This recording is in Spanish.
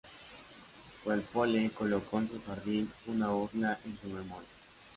Walpole colocó en su jardín una urna en su memoria.